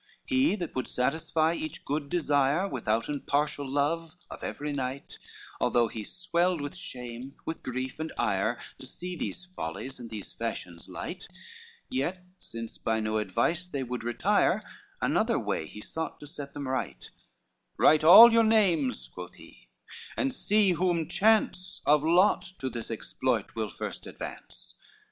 LXXII He that would satisfy each good desire, Withouten partial love, of every knight, Although he swelled with shame, with grief and ire To see these fellows and these fashions light; Yet since by no advice they would retire, Another way he sought to set them right: "Write all your names," quoth he, "and see whom chance Of lot, to this exploit will first advance."